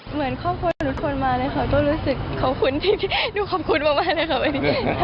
เหมือนครอบครัวหนูโทรมาเลยค่ะก็รู้สึกขอบคุณพี่หนูขอบคุณมากมากเลยค่ะวันนี้